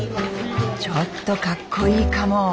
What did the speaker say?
ちょっとかっこいいかも！